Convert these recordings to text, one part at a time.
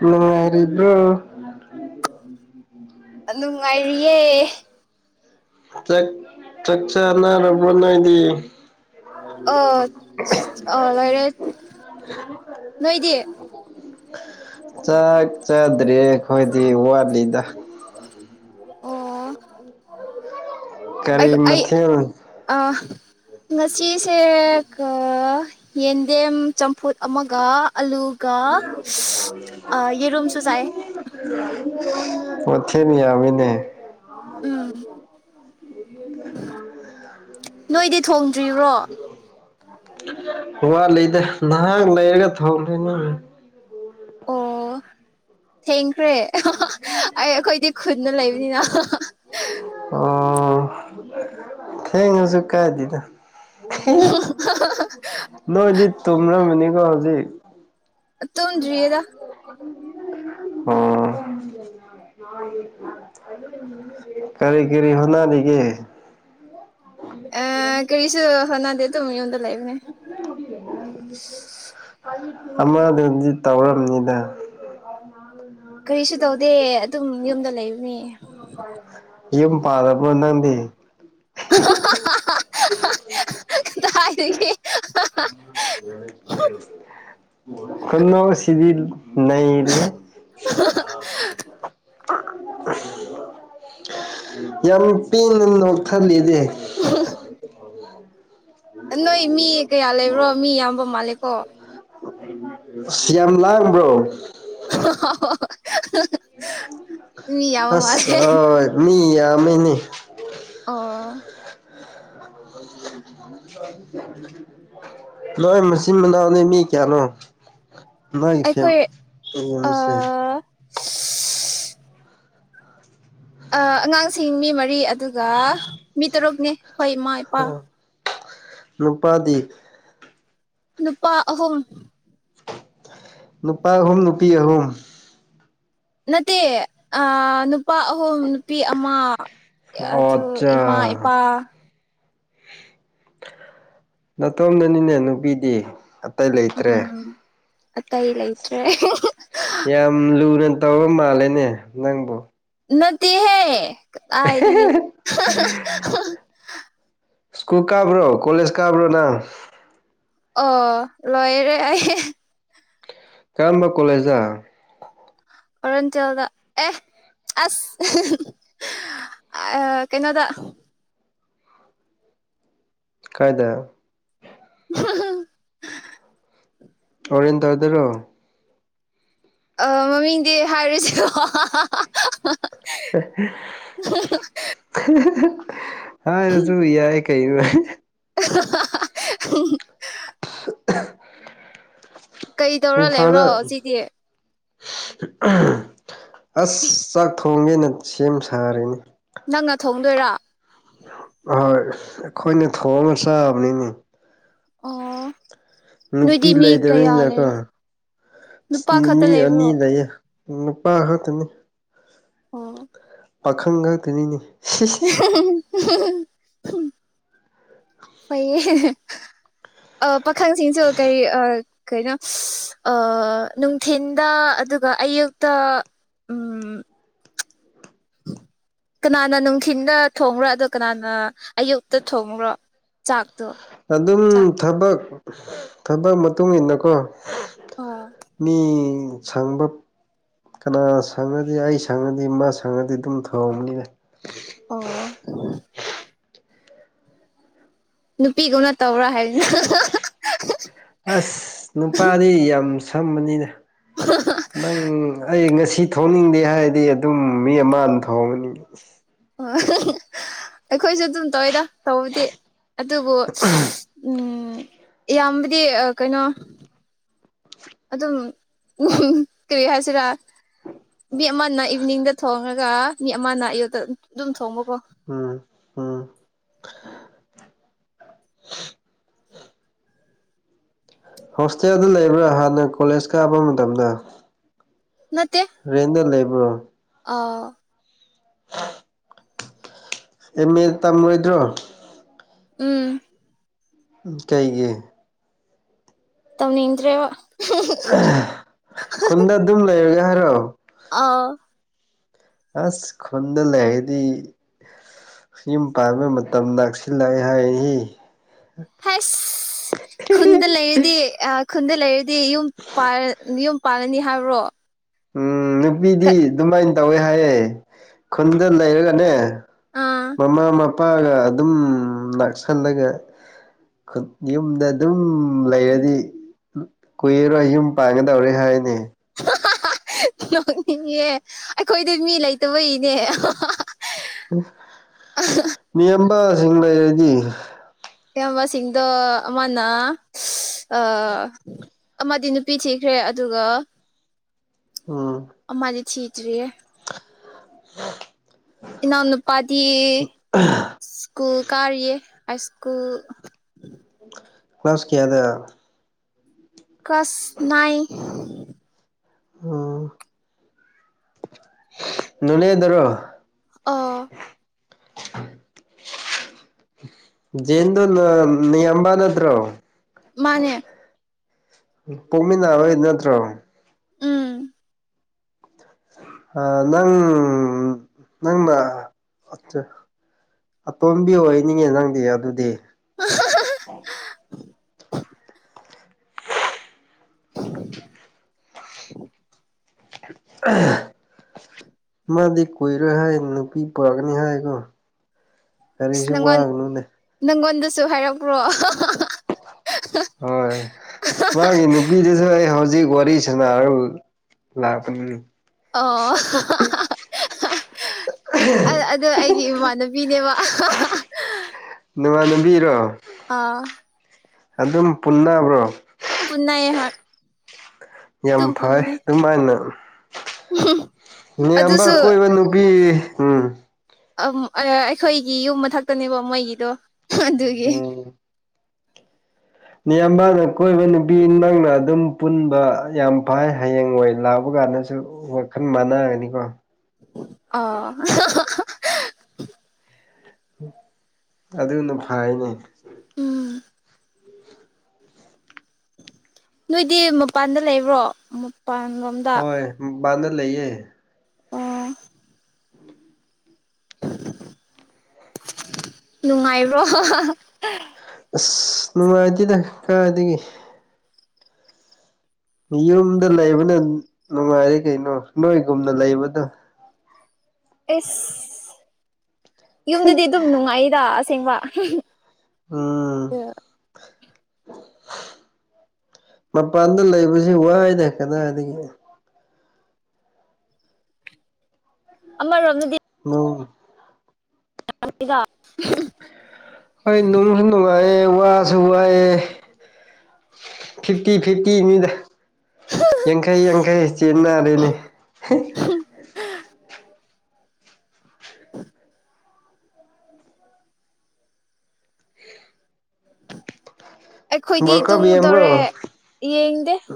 ꯅꯨꯡꯉꯔꯤꯕꯔꯤꯕ꯭ꯔꯣ ꯎ ꯅꯨꯡꯉꯥꯏꯔꯤꯌꯦ ꯆ ꯆꯛꯆꯥꯅꯔꯕꯅ ꯏꯗꯤ ꯑ‌ꯣ ꯑꯣ ꯂꯩꯏꯔꯦ ꯅꯣꯏꯗꯤ ꯆꯥꯛ ꯆꯗ꯭ꯔꯦ ꯑꯩꯈꯣꯏꯗꯤ ꯋꯥꯠꯂꯤꯗ ꯑꯣ ꯑꯩ ꯀꯔꯤ ꯑꯩ ꯃꯊꯦꯜ ꯑꯥ ꯉꯁꯤꯁꯦ ꯌꯦꯟꯗꯦꯝ ꯆꯝꯐꯨꯠ ꯑꯃꯒ ꯑꯂꯨ ꯀꯥ ꯑꯥ ꯌꯦꯔꯨꯝꯝꯁꯨꯁꯥꯏ ꯑꯣꯆꯦꯅꯤ ꯌꯥꯃꯤꯅꯦ ꯎꯝ ꯅꯣꯏꯗꯤ ꯊꯣꯡꯗ꯭ꯔꯤꯕ꯭ꯔꯣ ꯋꯥꯠꯂꯤꯗ ꯅꯍꯥꯛ ꯂꯩꯔꯒ ꯊꯣꯡꯅꯤꯅꯪ ꯑꯣ ꯊꯦꯡ ꯍ꯭ꯔꯦ ꯑꯩ ꯑꯩꯈꯣꯏꯗꯤ ꯈꯨꯟꯅ ꯂꯩꯕꯅꯤꯅꯥ ꯑꯣ ꯊꯦꯡꯉꯁꯨ ꯀꯥꯏꯗꯅ ꯅꯣꯏꯗꯤ ꯇꯣꯔ ꯃꯅꯤꯀꯣ ꯍꯧꯖꯤ ꯇꯨꯝꯗ꯭ꯔꯤꯌꯦꯗ ꯑꯣꯝ ꯀꯔꯤ ꯀꯔꯤ ꯍꯅꯥꯅꯤꯒꯦ ꯑ ꯀꯔꯤꯁ ꯍꯅꯥꯗꯦ ꯊꯃꯤ ꯑꯣꯗ ꯂꯥꯏꯐꯅꯦ ꯎ ꯑ ꯑꯃꯗꯨꯗꯤ ꯇꯧꯔꯝꯅꯤꯗ ꯀꯔꯤꯁꯨ ꯇꯧꯗꯦ ꯑꯗꯨꯝ ꯌꯨꯝꯗ ꯂꯩꯕꯅꯤ ꯌꯨꯝ ꯄꯥꯗꯕ ꯅꯪꯗꯤ ꯥꯏꯦ ꯀꯟꯅ ꯁꯤꯚꯜ ꯅ ꯏꯔꯤ ꯌꯥꯝ ꯄꯤꯅ ꯅ ꯑꯣꯊꯜꯂꯤꯗꯤ ꯑ ꯅꯣꯏ ꯃꯤ ꯀꯌꯥ ꯂꯩꯕ꯭ꯔꯣ ꯃꯤ ꯌꯥꯝꯌꯥꯝꯕ ꯃꯥꯜꯂꯦꯀꯣ ꯁꯤꯌꯥꯟ ꯂꯥꯛꯕ꯭ꯔꯣ ꯃꯤ ꯌꯥꯝꯕ ꯃꯥꯜꯂꯦ ꯑꯁ ꯃꯤ ꯇꯃꯤꯅꯤ ꯑ ꯂ ꯃꯁꯤ ꯃꯅꯥꯅꯤ ꯃꯤ ꯀꯌꯥꯅꯣ ꯑꯩꯈꯣꯏ ꯑ ꯐꯁꯦ [unintelligible] ꯑꯉꯥꯡꯁꯤꯡ ꯃꯤ ꯃꯔꯤ ꯑꯗꯨꯒ ꯃꯤ ꯇꯔꯨꯛꯅꯤ ꯑꯩꯈꯣꯏ ꯏꯃꯥ ꯏꯄꯥ ꯅꯨꯄꯥꯗꯤ ꯅꯨꯄꯥ ꯑꯍꯨꯝ ꯅꯨꯄꯥ ꯑꯍꯨꯝ ꯅꯨꯄꯤ ꯑꯍꯨꯝ ꯅꯠꯇꯦ ꯅꯨꯄꯥ ꯑꯍꯨꯝ ꯅꯨꯄꯤ ꯑꯃ ꯑꯗꯨ ꯑꯗꯨ ꯑꯣꯠꯆꯥ ꯏꯃꯥ ꯏꯄꯥ ꯅꯅꯥꯇꯣꯝꯗꯅꯤꯅꯦ ꯅꯨꯄꯤꯗꯤ ꯂꯩꯇ꯭ꯔꯦ ꯎꯝ ꯑꯇꯩ ꯂꯩꯇ꯭ꯔꯦ ꯌꯥꯝ ꯂꯨꯅ ꯀꯩꯗꯧꯕ ꯃꯥꯜꯂꯦꯅꯦ ꯅꯪꯕꯨ ꯅꯠꯇꯦꯍꯦ ꯀ ꯍꯥꯏꯔꯤꯌꯦꯦ ꯁ꯭ꯀꯨꯜ ꯀꯥꯕ꯭ꯔꯣ ꯀꯣꯂꯦꯖ ꯀꯥꯕ꯭ꯔꯣ ꯅ ꯑꯣ ꯂꯣꯏꯔꯦ ꯀꯔꯝꯕ ꯀꯣꯂꯦꯖꯥ ꯑꯔꯨꯟꯆꯜꯗ ꯑꯦ ꯑꯁ ꯑ ꯀꯩꯅꯣꯗ ꯀꯥꯏꯗ ꯑ ꯑꯣꯔꯦꯟ ꯇ ꯍꯥꯏꯗꯔꯣ ꯑ ꯃꯃꯤꯡꯗꯤ ꯍꯥꯏꯔꯨꯁ [unintelligible] ꯍꯥꯥ ꯔꯁꯨꯨ ꯏ ꯌꯥꯏ ꯀꯩꯅꯅꯨꯡꯥꯏ ꯎ [unintelligible] ꯀꯩꯗꯧꯔ ꯂꯩꯕ꯭ꯔꯣ ꯏꯝꯐꯥꯜꯗ ꯁꯤꯗꯤ ꯑꯁ ꯆꯥꯛ ꯊꯣꯡꯒꯦꯅ ꯁꯦꯝ ꯁꯥꯔꯤꯅꯤ ꯅꯪꯅ ꯊꯣꯡꯗꯣꯏꯔ ꯑꯣꯏ ꯑꯩꯈꯣꯏꯅ ꯊꯣꯡꯉ ꯆꯥꯕꯅꯤꯅꯦ ꯑꯣ ꯅꯨꯄꯤ ꯅꯣꯏꯗꯤ ꯃꯤ ꯀꯌꯥ ꯂꯩꯗꯕꯅꯤꯅꯀꯣ ꯂꯩꯕ ꯑꯁ ꯅꯨꯄꯥ ꯅꯨ ꯈꯛꯇ ꯃꯤ ꯂꯩꯕ꯭ꯔꯣ ꯑꯅꯤ ꯂꯩ ꯅꯨꯄꯥ ꯍꯥꯇꯅꯤ ꯑꯣ ꯄꯥꯈꯪ ꯈꯛꯇꯅꯤꯅꯤ ꯐ ꯑ ꯄꯥꯈꯪꯁꯤꯡꯁꯨ ꯀꯔꯤ ꯑ ꯀꯩꯅꯣ ꯅꯨꯡꯊꯤꯟꯗ ꯑꯗꯨꯒ ꯑꯌꯨꯛꯇ ꯎꯝ [unintelligible] ꯀꯅꯥꯅ ꯅꯨꯡꯊꯤꯤꯟꯗ ꯊꯣꯡꯕ꯭ꯔꯣ ꯑꯗ ꯀꯅꯥꯅ ꯑꯌꯨꯛꯇ ꯊꯣꯡꯕ꯭ꯔꯣ ꯆꯥꯛ ꯑꯗꯨꯝ ꯊꯕꯛ ꯊꯕꯛ ꯃꯇꯨꯡ ꯏꯟꯅꯀꯣ ꯑꯣ ꯃꯤ ꯁꯪꯕ ꯀꯅꯥ ꯁꯪꯉꯗꯤ ꯑꯩ ꯁꯪꯉꯗꯤ ꯃꯥ ꯁꯪꯉꯗꯤ ꯑꯗꯨꯝ ꯊꯣꯡꯕꯅꯤꯅ ꯑꯣ ꯅꯨꯄꯤꯒꯧꯅ ꯇꯧꯕ꯭ꯔꯥ ꯍꯥꯏꯕꯅ ꯑꯁ ꯅꯨꯄꯥꯗꯤ ꯌꯥꯝ ꯁꯝꯕꯅꯤꯅ ꯅꯪ ꯑꯩ ꯉꯁꯤ ꯁꯤ ꯊꯣꯡꯅꯤꯡꯗꯦ ꯍꯥꯏꯔꯗꯤ ꯑꯗꯨꯝ ꯃꯤ ꯑꯃꯅ ꯊꯣꯡꯉꯅꯤꯉ ꯍ ꯑꯩꯈꯣꯏꯁꯨ ꯑꯗꯨꯝ ꯇꯧꯋꯤꯗ ꯇꯧꯗꯤ ꯑꯗꯨꯕꯨ ꯎꯝ ꯏꯌꯥꯝꯕꯗꯤ ꯀꯩꯅꯣ ꯑꯗꯨꯝ ꯎ ꯀꯔꯤ ꯍꯥꯏꯁꯤꯔꯥ ꯃꯤ ꯑꯃꯅ ꯏꯚꯤꯅꯤꯡꯗ ꯊꯣꯡꯉꯒ ꯃꯤ ꯑꯃꯅ ꯑꯌꯨꯛꯇ ꯑꯗꯨꯝ ꯊꯣꯡꯕ ꯎꯝ ꯎꯝ ꯍꯣꯁꯇꯦꯜꯗ ꯂꯩꯕ꯭ꯔꯥ ꯍꯥꯟꯅ ꯀꯣꯂꯦꯖ ꯀꯥꯞꯕ ꯃꯇꯝꯗ ꯅ ꯔꯦꯟꯗ ꯂꯩꯕ꯭ꯔꯣ ꯑꯥ [unintelligible] ꯑꯦꯝ ꯑꯦ ꯇꯝꯔꯣꯏꯗ꯭ꯔꯣ ꯎꯝ ꯀꯩꯒꯤ ꯇꯧꯅꯤ ꯏꯗ꯭ꯔꯦ ꯈꯨꯟꯗ ꯑꯗꯨꯝ ꯂꯩꯔꯒ ꯍꯥꯏꯔꯣ ꯑꯥ ꯑꯁ ꯈꯨꯟꯗ ꯂꯩꯒꯗꯤ ꯌꯨꯝ ꯄꯥꯟꯕ ꯃꯇꯝ ꯅꯥꯛꯁꯤꯜꯂꯛꯏ ꯍꯥꯏꯏ ꯍꯁ ꯈꯨꯟꯗ ꯂꯩ ꯂꯩꯔꯗꯤ ꯑ ꯈꯨꯟꯗ ꯂ ꯏꯔꯗꯤ ꯑꯗꯨ ꯌꯨꯝ ꯌꯨꯝ ꯄꯥꯜꯂꯅꯤ ꯍꯥꯏꯕ꯭ꯔꯣ ꯎꯝ ꯅꯨꯄꯤꯗꯤ ꯑꯗꯨꯃꯥꯏꯅ ꯇꯧꯋꯦ ꯍꯥꯏꯌꯦ ꯈꯨꯟꯗ ꯂꯩꯔꯒꯅꯦ ꯑꯥ ꯃꯃꯥ ꯃꯄꯥꯒ ꯑꯗꯨꯝ ꯅꯥꯛꯁꯜꯂꯒ ꯌꯨꯝꯗ ꯑꯗꯨꯝ ꯂꯩꯔꯗꯤ ꯀꯨꯏꯔꯣꯏ ꯌꯨꯝ ꯄꯥꯡꯒꯗꯧꯔꯦ ꯍꯥꯏꯅꯦ ꯅꯣꯛꯅꯤꯡꯉꯦ ꯑꯩꯈꯣꯏꯗꯤ ꯃꯤ ꯂꯩꯇꯕ ꯏꯅꯦ ꯃꯤ ꯑꯝꯕꯁꯤꯡ ꯂꯩꯔꯗꯤ ꯑꯌꯥꯝꯕꯁꯤꯡꯗꯣ ꯑꯃꯅ ꯑ ꯑꯃꯗꯤ ꯅꯨꯄꯤ ꯊꯤꯈ꯭ꯔꯦ ꯑꯗꯨꯒ [unintelligible] ꯎꯝ ꯑꯃꯗꯤ ꯊꯤꯗ꯭ꯔꯤꯌꯦ ꯍ ꯏꯅꯥꯎꯅꯨꯄꯥꯗꯤ ꯁ꯭ꯀꯨꯜ ꯀꯥꯔꯤꯌꯦ ꯍꯥꯢꯁ꯭ꯀꯨꯜ ꯀ꯭ꯂꯥꯁꯀꯤꯌꯥꯗ ꯀ꯭ꯂꯥꯁ ꯅꯥꯏ ꯑ ꯅꯣꯅꯦꯗꯔꯣ ꯑꯣ ꯎ ꯖꯦꯟꯗꯨ ꯅ ꯅꯌꯥꯝꯕ ꯅꯠꯇ꯭ꯔꯣ ꯃꯥꯅꯦ ꯄꯣꯛꯃꯤꯅꯕ ꯅꯠꯇ꯭ꯔꯣ ꯎꯝ ꯑ ꯅꯪ ꯅꯪꯅ ꯑꯇꯣꯝꯕꯤ ꯑꯣꯏꯅꯤꯡꯉꯦ ꯅꯪꯗꯤ ꯑꯗꯨꯗꯤ ꯑꯍꯍꯍ ꯎꯝ ꯑ‌ꯍ ꯃꯥꯗꯤ ꯀꯨꯏꯔꯣꯏ ꯍꯥꯏ ꯅꯨꯄꯤ ꯄꯨꯔꯛꯀꯅꯤ ꯍꯥꯏꯀꯣ ꯏꯁ ꯀꯔꯤꯁꯨ ꯅꯪꯒꯣꯟ ꯋꯥꯒꯅꯨꯅꯦ ꯅꯪꯒꯣꯟꯗꯁꯨ ꯍꯥꯏꯔꯛꯄ꯭ꯔꯣ ꯑꯍꯍꯍꯍ ꯍꯣꯏ ꯃꯥꯒꯤ ꯅꯨꯄꯤꯗꯨꯁꯨ ꯑꯩ ꯍꯧꯖꯤꯛ ꯍꯧꯖꯤꯛ ꯋꯥꯔꯤ ꯁꯥꯟꯅꯔꯒ ꯂꯥꯛꯄꯅꯤꯅꯤ ꯑꯣ ꯑꯍꯍꯍꯍ ꯑꯗꯨ ꯑꯩꯒꯤ ꯏꯃꯥꯟꯅꯕꯤꯅꯦꯕ ꯑꯥꯍꯥꯍꯥꯍꯥ ꯅꯃꯥꯅꯕꯤꯔꯣ ꯑꯥ ꯑꯗꯨꯝ ꯄꯨꯟꯅꯕ꯭ꯔꯣ ꯄꯨꯟꯅꯩ ꯍꯣꯏ ꯌꯥꯝ ꯑꯗꯨꯝ ꯐꯩ ꯄꯨꯟꯕꯅꯦ ꯑꯗꯨꯃꯥꯏꯅ ꯏꯝꯕ ꯑꯗꯨꯁꯨ ꯀꯣꯏꯕ ꯅꯨꯄꯤ ꯎꯝ ꯑꯩꯈꯣꯏꯒꯤ ꯌꯨꯝ ꯃꯊꯛꯇꯅꯦꯕ ꯃꯣꯏꯒꯤꯗꯣ ꯑꯗꯨꯒꯤ ꯃꯤꯌꯥꯝꯕꯥꯅ ꯀꯣꯏꯕ ꯅꯨꯄꯤ ꯅꯪꯅ ꯑꯗꯨꯝ ꯄꯨꯟꯕ ꯌꯥꯝ ꯐꯩ ꯍꯌꯦꯡ ꯑꯣꯏ ꯂꯥꯛꯕ ꯀꯥꯔꯦ ꯁꯨ ꯋꯥꯈꯜ ꯃꯥꯟꯅꯒꯅꯤꯀꯣ ꯑ ꯍꯍꯍ ꯑꯗꯨꯅ ꯐꯥꯏꯅꯦ ꯎꯝ ꯅꯣꯏꯗꯤ ꯃꯄꯥꯟꯗ ꯂꯩꯕ꯭ꯔꯣ ꯃꯄꯥꯟꯂꯣꯝꯗ ꯃꯄꯥꯟꯅ ꯂꯩꯌꯦ ꯑꯣ ꯅꯨꯡꯉꯥꯏꯕ꯭ꯔꯣ ꯍꯥꯍꯥꯍꯥ ꯑꯁ ꯅꯨꯡꯉꯥꯏꯇꯦꯗ ꯀꯥꯏꯗꯒꯤ ꯌꯨꯝꯗ ꯂꯩꯕꯅ ꯅꯨꯡꯉꯥꯏꯔꯦ ꯀꯩꯅꯣ ꯅꯣꯏꯒꯨꯝꯅ ꯂꯩꯕꯗ ꯑꯦꯁ ꯌꯨꯝꯗꯗꯤ ꯑꯗꯨꯝ ꯅꯨꯡꯉꯥꯏꯗ ꯑꯁꯦꯡꯕ ꯎꯝ ꯃꯄꯥꯟꯗ ꯂꯩꯕꯁꯤ ꯋꯥꯏꯗ ꯀꯗꯥꯏꯗꯒꯤ ꯑ ꯔꯅ ꯑꯪ ꯌꯥꯗ ꯍꯣꯏ ꯅꯨꯡꯁꯨ ꯅꯨꯡꯉꯥꯏꯌꯦꯦ ꯋꯥꯁꯨ ꯋꯥꯏꯑꯦ ꯐꯤꯇꯤ ꯐꯤꯤ ꯃꯤꯃꯤꯗ ꯌꯥꯡꯈꯩ ꯌꯥꯡꯈꯩ ꯆꯦꯟꯅꯔꯦꯅꯤ ꯑꯩꯈꯣꯏꯗꯤ ꯋꯥꯔꯜ ꯀꯞ ꯌꯦꯡꯕ꯭ꯔꯣ ꯇꯨꯡꯉꯨꯗꯧꯔꯦ ꯌꯦꯡꯗꯦꯡ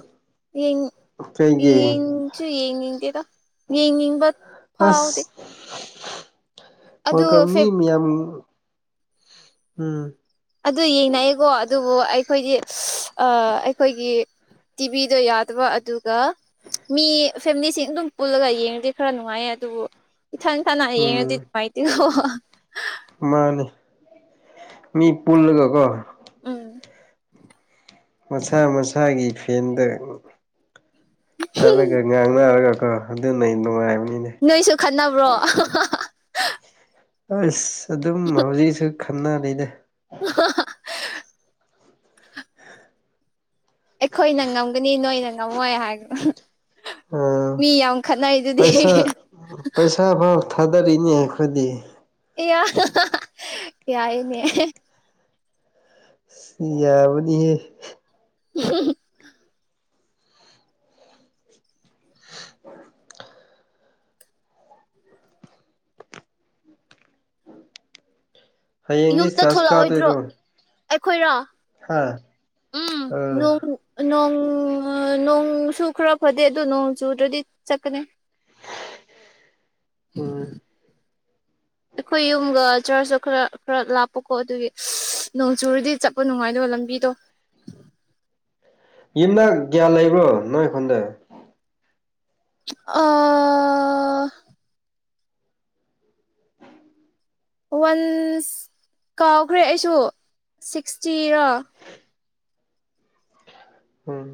ꯀꯩꯒꯤ ꯌꯦꯡꯁꯨ ꯌꯦꯡꯅꯤꯡꯗꯦꯗ ꯌꯦꯡꯅꯤꯡꯕ ꯐꯥꯎꯗꯦ ꯑꯗꯨ ꯃꯔ ꯃꯤ ꯃꯌꯥꯝ ꯎꯝ ꯑꯗꯨ ꯌꯦꯡꯅꯩꯌꯦꯀꯣ ꯑꯗꯨꯕꯨ ꯑꯩꯈꯣꯏꯗꯤ ꯑꯩꯈꯣꯏꯒꯤ ꯇꯤꯚꯗꯣ ꯌꯥꯗꯕ ꯑꯗꯨꯒ ꯃꯤ ꯐꯦꯃꯤꯂꯤꯁꯤꯡ ꯑꯗꯨꯝ ꯄꯨꯜꯂꯒ ꯌꯦꯡꯉꯗꯤ ꯈꯔ ꯅꯨꯡꯉꯥꯏꯌꯦ ꯑꯗꯨꯕꯨ ꯏꯊꯟ ꯏꯊꯅ ꯍꯌꯦꯡꯉꯗꯤ ꯎꯝ ꯃꯥꯏꯇꯦꯣ ꯃꯥꯅꯤ ꯃꯤ ꯄꯨꯜꯂꯒ ꯀꯣ ꯎꯝ ꯃꯁꯥ ꯃꯁꯥꯒꯤ ꯐꯦꯟꯗ ꯆꯠꯂꯒ ꯉꯥꯡꯅꯔꯒ ꯑ ꯑꯗꯨꯅ ꯅꯨꯡꯉꯥꯏꯕꯅꯤ ꯅꯣꯏꯁꯨ ꯈꯠꯅꯕ꯭ꯔꯣ ꯑꯁ ꯑꯗꯨꯝ ꯍꯧꯖꯤꯛꯁꯨ ꯈꯟꯅꯔꯤꯅꯦ ꯑ ꯑꯩꯈꯣꯏꯅ ꯉꯝꯒꯅꯤ ꯅꯣꯏꯅ ꯉꯝꯃꯣꯏ ꯍꯥꯏꯒ ꯑꯥ ꯃꯤ ꯌꯥꯝ ꯈꯠꯅꯩ ꯑꯗꯨꯗꯤ ꯄꯩꯁꯥ ꯑꯩ ꯄꯩꯁꯥ ꯐꯥꯎ ꯊꯥꯗꯔꯤꯅꯦ ꯑꯩꯈꯣꯏꯗꯤ ꯀ ꯀꯌꯥꯏꯅꯦ ꯁꯤ ꯌꯥꯕꯗꯤ [unintelligible] ꯍꯌꯦꯡꯗꯤ ꯌꯨꯝꯇ ꯆꯥꯔꯖ ꯊꯣꯛꯂꯛꯑꯣꯏꯗ꯭ꯔꯣ ꯀꯥꯗꯣꯏꯔꯣ ꯑꯩꯈꯣꯏꯔꯣ ꯍꯥ ꯑ ꯎꯝꯣꯡꯣꯡ ꯅꯣꯡꯁꯨ ꯈꯔ ꯐꯗꯦ ꯑꯗꯨꯗ ꯅꯣꯡ ꯆꯨꯗ꯭ꯔꯗꯤ ꯆꯠꯀꯅꯤ ꯑ ꯎ ꯑꯩꯈꯣꯏ ꯌꯨꯝꯒ ꯆꯔꯆꯇ ꯈꯔ ꯈꯔ ꯂꯥꯞꯄꯀꯣ ꯑꯗꯨꯒꯤ ꯅꯣꯡꯆꯨꯔꯗꯤ ꯆꯠꯄ ꯅꯨꯡꯉꯥꯏꯗꯕ ꯂꯝꯕꯤ ꯗꯣ [unintelligible] ꯌꯨꯝꯗ ꯒ꯭ꯌꯥꯟ ꯂꯩꯕ꯭ꯔꯣ ꯅꯣꯏ ꯑꯩꯈꯣꯟꯗ ꯑ ꯋꯥꯟꯁ ꯀꯥꯎꯈ꯭ꯔꯦ ꯑꯩꯁꯨ ꯁꯤꯛꯁꯇꯤꯔꯣ ꯎꯝ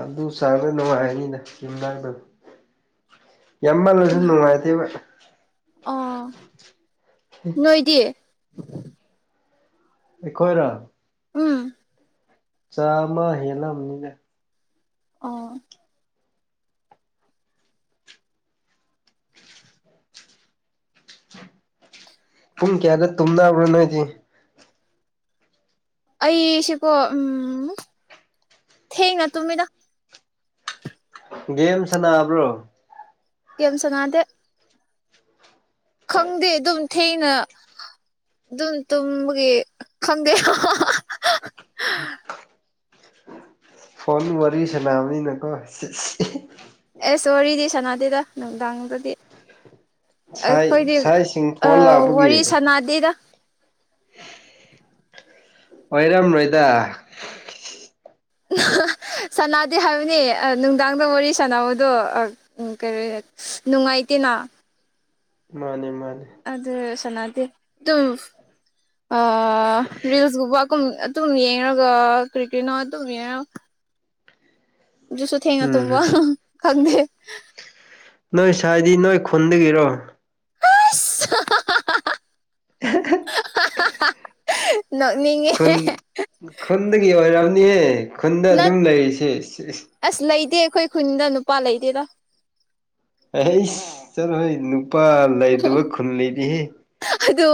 ꯑꯗꯨ ꯆꯥꯡꯅ ꯅꯨꯡꯉꯥꯏꯔꯅꯤꯅ ꯌꯨꯝꯅꯥꯛꯇꯕ ꯌꯥꯝꯃꯜꯂꯁꯨ ꯅꯨꯡꯉꯥꯏꯇꯦꯕ ꯑ ꯅꯣꯏꯗꯤꯌꯦ ꯑꯩꯈꯣꯏꯣꯏꯔ ꯎꯝ ꯆꯥꯝꯃ ꯍꯦꯜꯂꯝꯕꯅꯤꯅꯦ ꯑꯣ ꯄꯨꯡ ꯀꯌꯥꯗ ꯇꯨꯝꯕ꯭ꯔꯣꯅꯣ ꯍꯥꯏꯗꯤ ꯑꯩꯁꯤꯀꯣ ꯎꯝ ꯊꯦꯡꯉ ꯇꯨꯝꯃꯤꯗ ꯦꯝꯁꯅꯕ꯭ꯔꯣ ꯀꯦꯝ ꯁꯉꯗꯦ ꯈꯪꯗꯦ ꯑꯗꯨꯝ ꯊꯦꯡꯅ ꯑꯗꯨꯝ ꯇꯝꯕꯒꯤ ꯈꯪꯗꯦ ꯍꯥ ꯍꯥ ꯐꯣꯟꯗꯩꯩ ꯋꯥꯔꯤꯁꯤꯅꯥꯕꯅꯤ ꯅꯀꯣ ꯑꯦ ꯋꯥꯔꯤꯗꯤ ꯁꯅꯥꯗꯦꯗ ꯅꯨꯡꯗꯥꯡꯗꯗꯤ ꯁꯥꯏ ꯑꯩꯈꯣꯏꯗꯤ ꯁꯥꯏꯁꯤꯡ ꯐꯣꯟ ꯂꯥꯛꯄꯒꯤ ꯋꯥꯔꯤ ꯁꯥꯟꯅꯥꯗꯦꯗ ꯑꯣꯏꯣꯏꯔꯝ ꯃꯣꯏꯗ ꯁꯅꯗꯦ ꯍꯥꯏꯕꯅꯤ ꯅꯨꯡꯗꯥꯡꯗ ꯋꯥꯔꯤ ꯁꯥꯟꯅꯕꯗꯣ ꯀ ꯅꯨꯡꯉꯥꯏ ꯏꯇꯅꯥ ꯃꯥꯅꯦ ꯃꯥꯅꯦ ꯑꯗꯨ ꯁꯅꯥꯗꯤ ꯑꯗꯨꯝ ꯔꯤꯜꯁꯒꯨꯝꯕꯨꯝ ꯑꯗꯨꯝ ꯌꯦꯡꯉꯒ ꯀ꯭ꯔꯤꯀꯦꯠꯅ ꯑꯗꯨꯝ ꯌꯦꯡꯉꯒ ꯖꯁꯨ ꯊꯦꯡꯉ ꯎꯝ ꯇꯨꯝꯕ ꯈꯪꯗꯦ ꯅꯣꯏ ꯁꯥꯏꯗꯤ ꯅꯣꯏ ꯈꯨꯟꯗꯒꯤꯔꯣ ꯑ [unintelligible] ꯑ ꯈꯨꯟ ꯈꯨꯟꯗꯒꯤ ꯑꯣꯏ ꯌꯥꯅꯤꯦ ꯈꯨꯟꯗ ꯅꯠ ꯑꯗꯨꯝ ꯂꯩꯔꯤꯁꯦ ꯄꯥꯥ ꯂꯩꯗꯗ ꯆꯂꯣ ꯍ ꯑꯗꯨ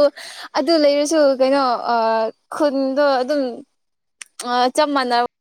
ꯑꯗꯨ ꯂꯩꯔꯁꯨ ꯀꯩꯅꯣ ꯈꯨꯟꯗꯣ ꯑꯗꯨꯝ ꯆꯞ ꯃꯥꯅ